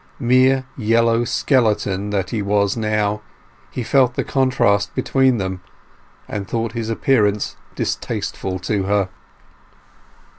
Mere yellow skeleton that he was now, he felt the contrast between them, and thought his appearance distasteful to her.